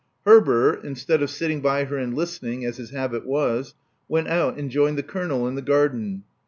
Herbert, instead of sitting by her and listening, as his habit was, went out and joined the Colonel in the garden.